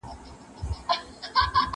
درسونه واوره.